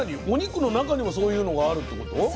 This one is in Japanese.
お肉の中にもそういうのがあるってこと？